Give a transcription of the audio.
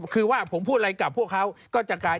คือว่าผมพูดอะไรกับพวกเขาก็จะกลาย